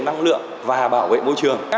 năng lượng và bảo vệ môi trường